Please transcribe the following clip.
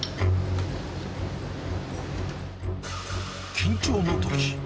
緊張の時。